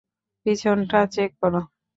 পিছনটা চেক করো।